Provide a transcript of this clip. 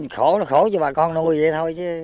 khổ là khổ cho bà con nuôi vậy thôi